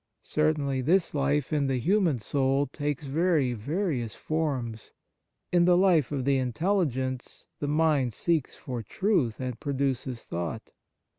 Certainly, this life in the human soul takes very various forms. In the life of the intelligence, the mind seeks for truth and produces thought.